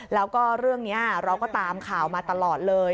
แล้วก็เรื่องนี้เราก็ตามข่าวมาตลอดเลย